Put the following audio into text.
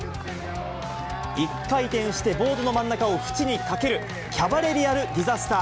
１回転してボードの真ん中を縁にかける、キャバレリアルディザスター。